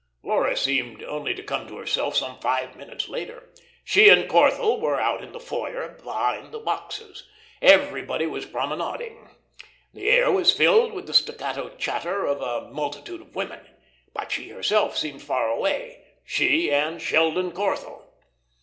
Laura seemed only to come to herself some five minutes later. She and Corthell were out in the foyer behind the boxes. Everybody was promenading. The air was filled with the staccato chatter of a multitude of women. But she herself seemed far away she and Sheldon Corthell.